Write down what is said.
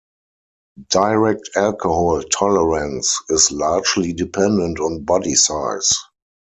Direct alcohol tolerance is largely dependent on body size.